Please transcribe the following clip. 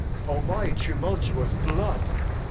O my tumultuous Blood